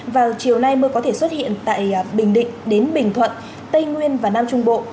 vào chiều nay mưa có thể xuất hiện tại bình định đến bình thuận tây nguyên và nam trung bộ